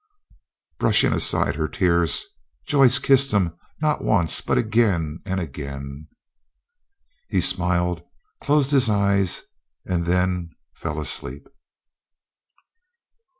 Brushing aside her tears, Joyce kissed him, not once, but again and again. He smiled, closed his eyes—and then fell asleep.